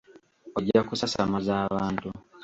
Ojja kusasamaza abantu.